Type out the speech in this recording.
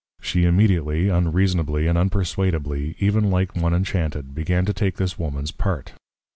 _ She immediately, unreasonably and unperswadeably, even like one Enchanted, began to take this Woman's part.